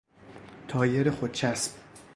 تایر خودچسب